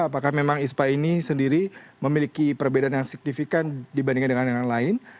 apakah memang ispa ini sendiri memiliki perbedaan yang signifikan dibandingkan dengan yang lain